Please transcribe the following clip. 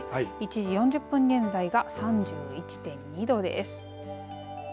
１時４０分現在が３１．２度です。